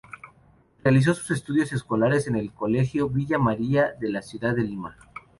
Realizó sus estudios escolares en el Colegio Villa María de la ciudad de Lima.